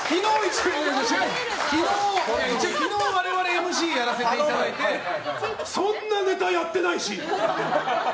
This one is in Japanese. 昨日、我々ＭＣやらせていただいてそんなネタやってないし！